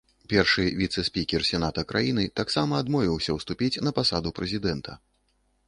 Першы віцэ-спікер сената краіны таксама адмовіўся ўступіць на пасаду прэзідэнта.